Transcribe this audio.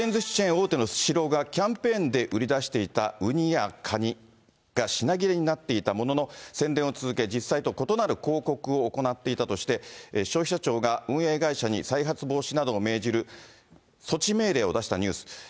大手のスシローが、キャンペーンで売り出していたウニやカニが品切れになっていたものの、宣伝を続け、実際と異なる広告を行っていたとして、消費者庁が運営会社に再発防止などを命じる措置命令を出したニュース。